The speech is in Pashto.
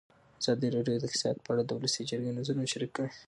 ازادي راډیو د اقتصاد په اړه د ولسي جرګې نظرونه شریک کړي.